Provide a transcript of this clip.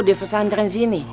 di pesantren sini